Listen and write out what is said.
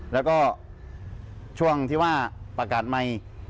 แล้วก็ช่วงที่ว่าประกาศใหม่